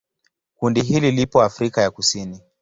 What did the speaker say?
Kundi hili lipo Afrika ya Kusini.